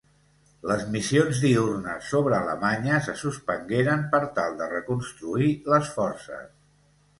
Les missions diürnes sobre Alemanya se suspengueren per tal de reconstruir les forces.